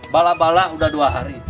balak balak udah dua hari